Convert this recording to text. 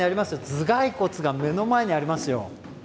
頭蓋骨が目の前にありますよ。